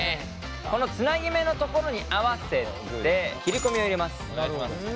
このつなぎ目の所に合わせて切り込みを入れます。